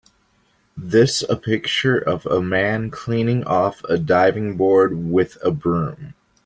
This a picture of a man cleaning off a diving board with a broom.